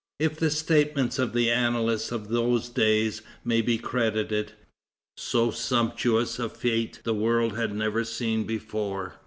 If the statements of the annalists of those days may be credited, so sumptuous a fête the world had never seen before.